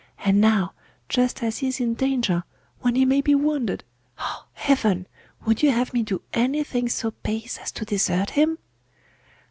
And now, just as he is in danger, when he may be wounded ah, heaven! would you have me do anything so base as to desert him?